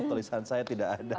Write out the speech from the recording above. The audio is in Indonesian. tulisan saya tidak ada